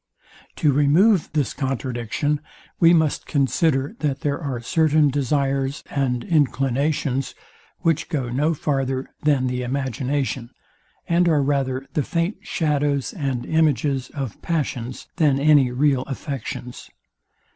To remove this contradiction, we must consider, that there are certain desires and inclinations, which go no farther than the imagination, and are rather the faint shadows and images of passions, than any real affections.